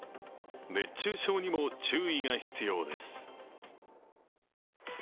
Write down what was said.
熱中症にも注意が必要です。